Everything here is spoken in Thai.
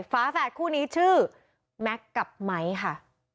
ฝาแฝดคู่นี้ชื่อแม็กซ์กับไม้ค่ะ